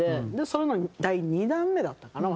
それの第２段目だったかな？